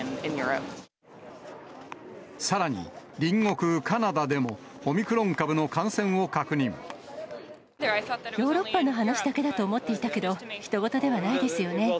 さらに隣国、カナダでも、ヨーロッパの話だけだと思っていたけど、ひと事ではないですよね。